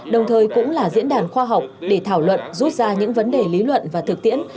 đồng thời cũng là diễn đàn khoa học để thảo luận rút ra những vấn đề lý luận và thực tiễn